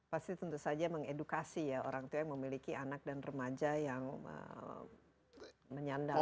pasti tentu saja mengedukasi ya orang tua yang memiliki anak dan remaja yang menyandang